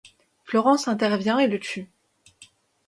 Florence intervient et le tue.